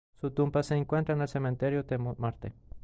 Su tumba se encuentra en el Cementerio de Montmartre.